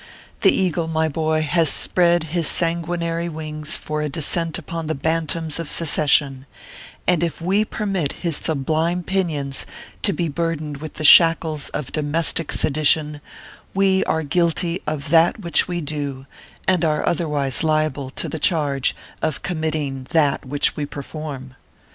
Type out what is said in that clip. The eagle, my boy, has spread his san guinary wings for a descent upon the bantams of secession ; and if we permit his sublime pinions to be burthened with the shackles of domestic sedition, we are guilty of that which we do, and are otherwise liable to the charge of committing that which we per form.